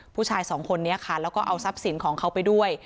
ผู้ชายสองคนนี้ค่ะแล้วก็เอาทรัพย์สินของเขาไปด้วย